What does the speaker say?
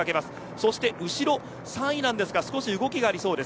そして３位ですが少し後動きがありそうです。